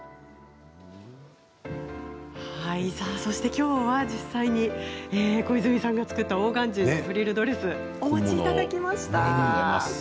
きょうは実際に小泉さんが作ったオーガンジーのフリルドレスお持ちいただきました。